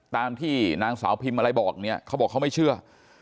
ตามที่นางสาวพิมพ์อะไรบอกเนี่ยเขาบอกเขาไม่เชื่อ